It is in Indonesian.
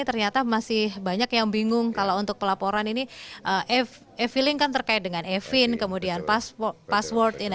ternyata masih banyak yang bingung kalau untuk pelaporan ini efilling kan terkait dengan e fin kemudian password